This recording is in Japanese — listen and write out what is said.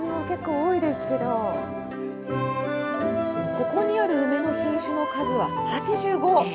ここにある梅の品種の数は８５。